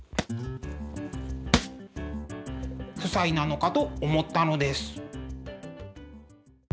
夫妻なのかと思ったのです。